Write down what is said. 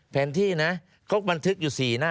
แผนที่นะเขาบันทึกอยู่๔หน้า